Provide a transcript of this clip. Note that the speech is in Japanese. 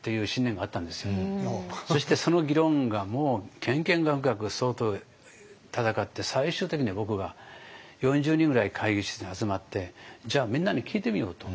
そしてその議論がもうけんけんがくがく相当戦って最終的に僕が４０人ぐらい会議室に集まってじゃあみんなに聞いてみようと。